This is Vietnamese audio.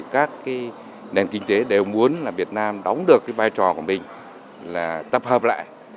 các nền kinh tế đều muốn việt nam đóng được vai trò của mình là tập hợp lại